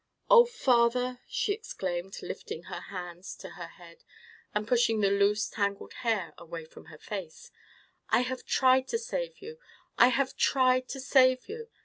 "Oh, father!" she exclaimed, lifting her hands to her head, and pushing the loose tangled hair away from her face; "I have tried to save you—I have tried to save you!